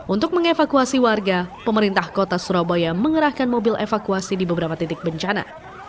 untuk mengevakuasi warga pemerintah kota surabaya mengerahkan mobil evakuasi di beberapa titik bencana